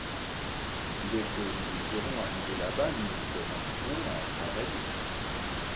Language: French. Dès que nous serons arrivés là-bas nous commencerons à travailler.